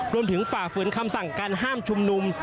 รวมถึงฝากฝืนคำสั่งการห้ามชุมนุม